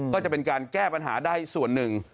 ก็จะเป็นการแก้ปัญหาได้ส่วนหนึ่ง